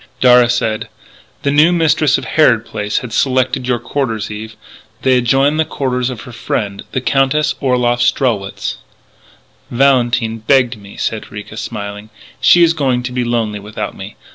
Darragh said: "The new mistress of Harrod Place has selected your quarters, Eve. They adjoin the quarters of her friend, the Countess Orloff Strelwitz." "Valentine begged me," said Ricca, smiling. "She is going to be lonely without me.